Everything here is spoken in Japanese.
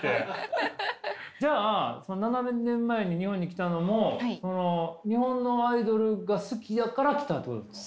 じゃあ７年前に日本に来たのも日本のアイドルが好きだから来たってことですか？